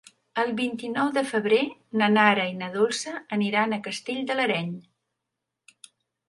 El vint-i-nou de febrer na Nara i na Dolça aniran a Castell de l'Areny.